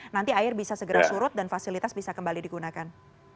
nanti air bisa segera surut dan fasilitas bisa kembali digunakan